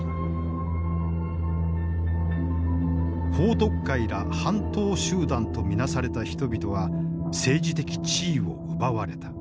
彭徳懐ら反党集団と見なされた人々は政治的地位を奪われた。